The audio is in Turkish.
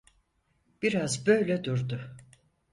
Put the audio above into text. Biraz böyle durdu.